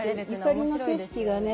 ゆかりの景色がね